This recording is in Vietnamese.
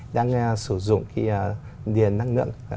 đang sử dụng cái điện năng lượng